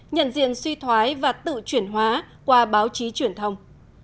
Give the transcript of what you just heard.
nhận diện suy thoái và tự chuyển hóa qua báo chí truyền thông